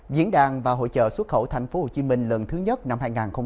diễn đàn và hội trợ xuất khẩu tp hcm lần thứ nhất năm hai nghìn hai mươi